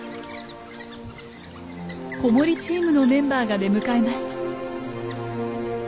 子守チームのメンバーが出迎えます。